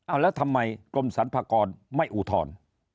เอาแล้วทำไมกรมสรรพากรไม่อุทธรณ์